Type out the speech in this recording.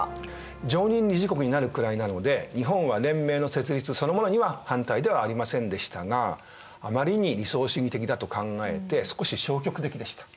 常任理事国になるくらいなので日本は連盟の設立そのものには反対ではありませんでしたがあまりに理想主義的だと考えて少し消極的でした。